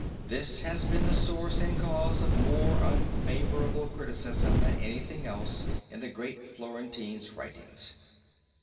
This has been the source and cause of more unfavorable criticism than anything else in the great Florentine's writings.